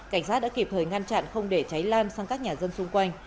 cảnh sát đã kịp thời ngăn chặn không để cháy lan sang các nhà dân xung quanh